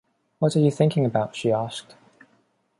“What are you thinking about?” she asked.